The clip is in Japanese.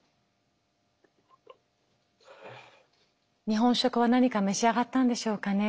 日本食は何か召し上がったんでしょうかね。